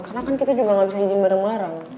karena kan kita juga gak bisa izin bareng bareng